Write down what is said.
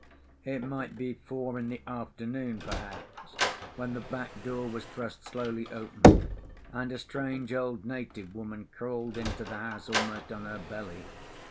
It might be four in the afternoon, perhaps, when the back door was thrust slowly open, and a strange old native woman crawled into the house almost on her belly.